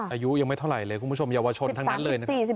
อายุยังไม่เท่าไหร่เลยคุณผู้ชมเยาวชนทั้งนั้นเลยนะครับ